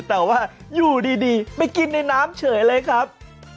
แต่ว่าอยู่ดีไปกินในน้ำเฉยเลยครับ